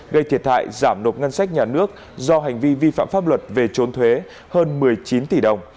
gây thiệt hại giảm nộp ngân sách nhà nước do hành vi vi phạm pháp luật về trốn thuế hơn một mươi chín tỷ đồng